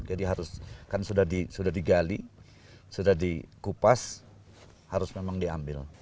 jadi harus kan sudah digali sudah dikupas harus memang diambil